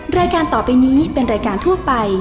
รายการต่อไปนี้เป็นรายการทั่วไป